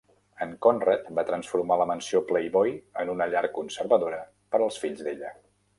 En Conrad va transformar la mansió Playboy en una llar conservadora per als fills d'ella.